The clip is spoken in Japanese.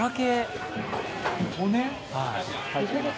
骨？